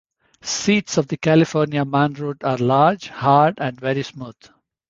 Seeds of the California manroot are large, hard, and very smooth.